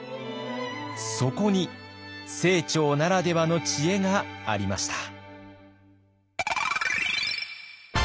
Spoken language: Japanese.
そこに清張ならではの知恵がありました。